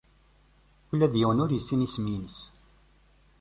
Ula d yiwen ur yessin isem-nnes.